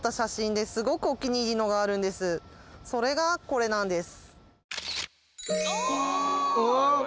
それがこれなんです。